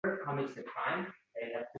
Ota gapni boshqa tarafga burdi